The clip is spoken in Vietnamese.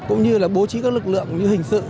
cũng như bố trí các lực lượng như hình sự